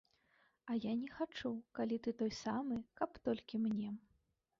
А я не хачу, калі ты той самы, каб толькі мне.